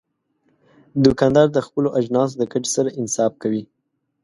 دوکاندار د خپلو اجناسو د ګټې سره انصاف کوي.